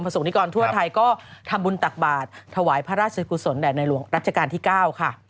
ส่งนิกรทั่วไทยก็ทำบุญตักบาทถวายพระราชกุศลแด่ในหลวงรัชกาลที่๙ค่ะ